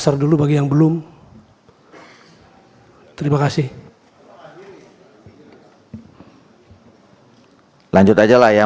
saya akan beritahu indonesia waspada